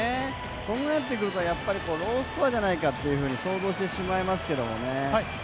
このぐらいになってくるとロースコアじゃないかと想像してしまいますけどね。